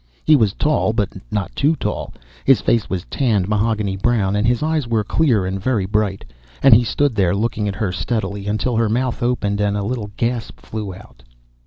He was tall, but not too tall. His face was tanned mahogany brown, and his eyes were clear and very bright. And he stood there looking at her steadily until her mouth opened and a little gasp flew out.